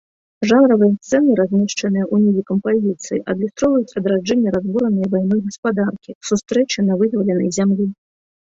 Жанравыя сцэны, размешчаныя ўнізе кампазіцыі, адлюстроўваюць адраджэнне разбуранай вайной гаспадаркі, сустрэчы на вызваленай зямлі.